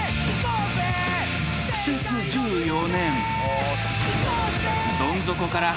［苦節１４年］